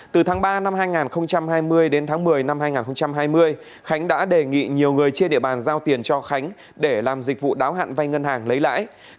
từ tháng ba năm hai nghìn hai mươi đến tháng một mươi năm hai nghìn hai mươi khánh đã đề nghị nhiều người trên địa bàn giao tiền cho khánh để làm dịch vụ đáo hạn vay ngân hàng lấy lãi